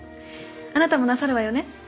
あなたもなさるわよね？